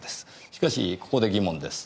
しかしここで疑問です。